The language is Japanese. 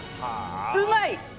うまい！